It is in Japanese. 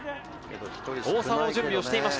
大澤も準備をしていました。